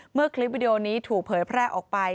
คลิปวิดีโอนี้ถูกเผยแพร่ออกไป